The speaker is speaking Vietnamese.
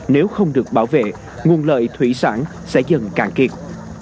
nếu không được bảo vệ nguồn lợi thủy sản sẽ dần cạn kiệt